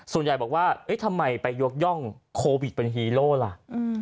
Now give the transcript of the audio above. ส่วนใหญ่บอกว่าทำไมไปยกย่องโควิดเป็นฮีโร่ล่ะ